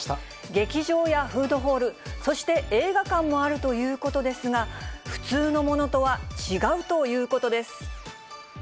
劇場やフードホール、そして映画館もあるということですが、普通のものとは違うということです。